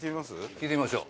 聞いてみましょう。